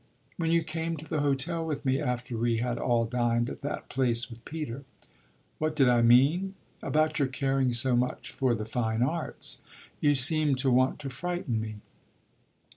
"When you came to the hotel with me after we had all dined at that place with Peter." "What did I mean ?" "About your caring so much for the fine arts. You seemed to want to frighten me."